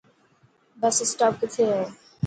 بس اسٽاپ ڪٿي هي.